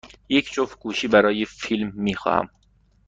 یک جفت گوشی برای فیلم می خواهم.